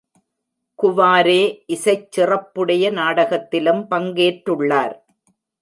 குவாரே இசைச்சிறப்புடைய நாடகத்திலும் பங்கேற்றுள்ளார்.